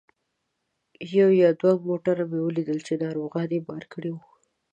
یو یا دوه موټر مې ولیدل چې ناروغان یې بار کړي وو.